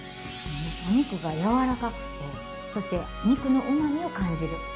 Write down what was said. お肉が柔らかくてそして肉のうまみを感じる。